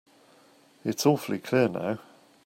It's awfully clear now.